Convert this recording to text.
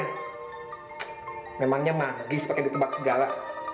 hai memangnya magis pakai ditebak segala